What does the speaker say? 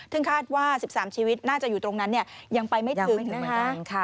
ซึ่งคาดว่า๑๓ชีวิตน่าจะอยู่ตรงนั้นยังไปไม่ถึงนะคะ